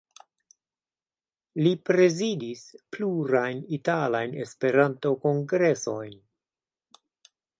Li prezidis plurajn italajn Esperanto-kongresojn.